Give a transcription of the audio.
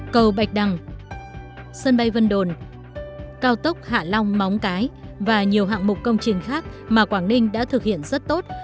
cầu bạch đằng sân bay vân đồn cao tốc hạ long móng cái và nhiều hạng mục công trình khác mà quảng ninh đã thực hiện rất tốt